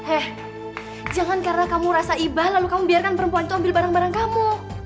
eh jangan karena kamu rasa ibah lalu kamu biarkan perempuan itu ambil barang barang kamu